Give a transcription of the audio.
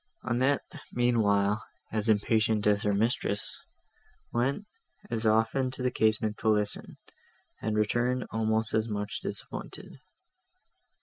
Annette, meanwhile, as impatient as her mistress, went as often to the casement to listen, and returned almost as much disappointed.